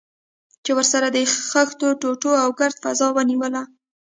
چې ورسره د خښتو ټوټو او ګرد فضا ونیول.